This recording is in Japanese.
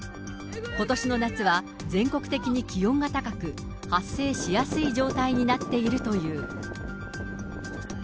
ことしの夏は、全国的に気温が高く、発生しやすい状態になっているという。